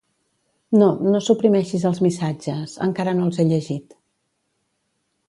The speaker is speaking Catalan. No, no suprimeixis els missatges, encara no els he llegit.